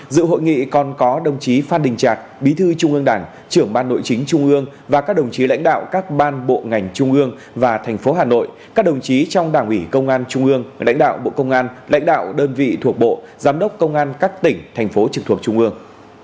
dự hội nghị còn có đồng chí phan đình trạc bí thư trung ương đảng trưởng ban nội chính trung ương và các đồng chí lãnh đạo các ban bộ ngành trung ương và thành phố hà nội các đồng chí trong đảng ủy công an trung ương lãnh đạo bộ công an lãnh đạo đơn vị thuộc bộ giám đốc công an các tỉnh thành phố trực thuộc trung ương